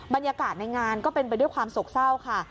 บรรยากาศในงานก็เป็นไปด้วยความโศกเศร้าค่ะ